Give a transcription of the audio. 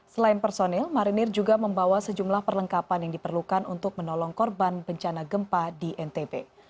selain personil marinir juga membawa sejumlah perlengkapan yang diperlukan untuk menolong korban bencana gempa di ntb